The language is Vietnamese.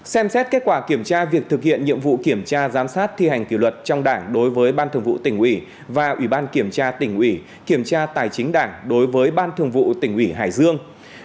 ba xem xét kết quả kiểm tra việc thực hiện nhiệm vụ kiểm tra giám sát thi hành kỷ luật trong đảng đối với ban thường vụ tỉnh ủy và ủy ban kiểm tra tỉnh ủy kiểm tra tài chính đảng đối với ban thường vụ tỉnh ủy hải dương